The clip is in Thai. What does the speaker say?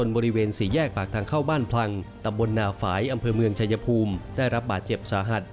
บริเวณสี่แยกปากทางเข้าบ้านพลังตำบลนาฝ่ายอำเภอเมืองชายภูมิได้รับบาดเจ็บสาหัส